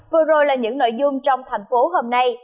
vừa rồi là những nội dung trong thành phố hôm nay